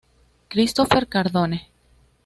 Christopher Cardone